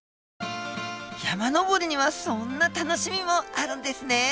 山登りにはそんな楽しみもあるんですね。